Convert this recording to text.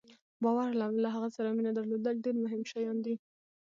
باور او له هغه سره مینه درلودل ډېر مهم شیان دي.